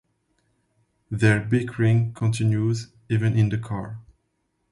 Their bickering continues, even in the car.